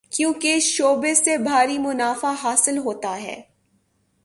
کیونکہ اس شعبے سے بھاری منافع حاصل ہوتا ہے۔